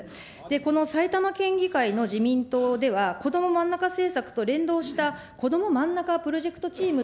この埼玉県議会の自民党では、こどもまんなか政策と連動したこどもまんなかプロジェクトチーム